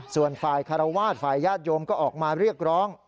ส่วนฝ่ายคารวาสฝ่ายญาติโยมก็ออกมาเรียกร้อง